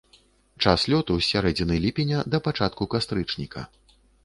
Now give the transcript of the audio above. Час лёту з сярэдзіны ліпеня да пачатку кастрычніка.